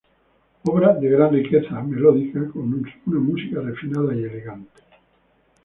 Obra de gran riqueza melódica, con una música refinada y elegante.